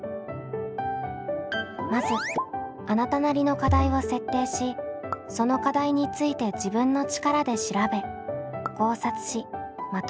まずあなたなりの課題を設定しその課題について自分の力で調べ考察しまとめる。